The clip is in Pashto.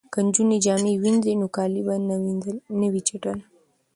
که نجونې جامې وینځي نو کالي به نه وي چټل.